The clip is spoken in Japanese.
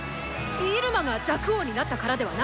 イルマが若王になったからではないぞ。